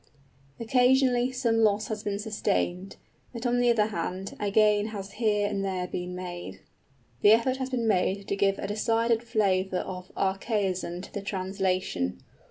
Occasionally, some loss has been sustained; but, on the other hand, a gain has here and there been made. The effort has been made to give a decided flavor of archaism to the translation.